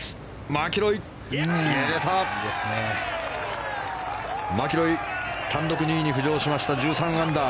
マキロイ、単独２位に浮上しました。